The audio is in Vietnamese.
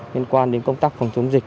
liên quan đến công tác phòng chống dịch